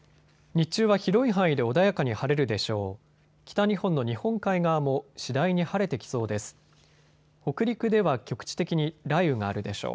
日中は広い範囲で穏やかに晴れるでしょう。